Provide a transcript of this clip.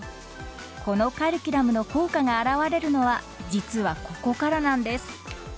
このカリキュラムの効果が現れるのは実はここからなんです。